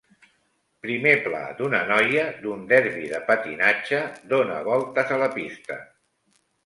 Primer pla d'una noia d'un derbi de patinatge dóna voltes a la pista.